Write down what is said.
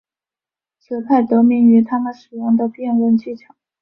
此派得名于他们使用的辩论技巧。